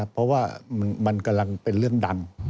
เพราะว่ามันกำลังเป็นเรื่องดัง